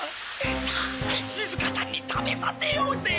さあしずかちゃんに食べさせようぜ！